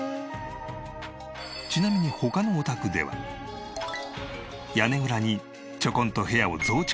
ちなみに他のお宅では屋根裏にちょこんと部屋を増築しちゃったご家庭も。